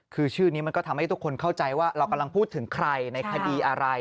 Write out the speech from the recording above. คือชื่อนี้มันก็ทำให้ทุกคนเข้าใจว่าเรากำลังพูดถึงใครในคดีอะไร